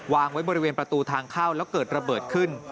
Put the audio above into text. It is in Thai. วางไว้บริเวณประตูทางเข้าแล้วเกิดระเบิดขึ้น